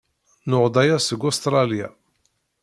Nuɣ-d aya seg Ustṛalya.